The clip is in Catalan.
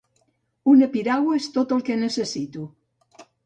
Una piragua és tot el que necessito.